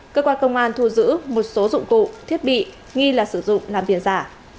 cơ quan công an thu giữ một số dụng cụ thiết bị nghi là sử dụng làm tiền giả